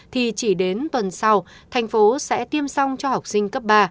thì chỉ đến tuần sau thành phố sẽ tiêm xong cho học sinh cấp ba